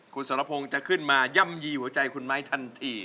คุณสรพงศ์จะขึ้นมาย่ำยีหัวใจคุณไม้ทันที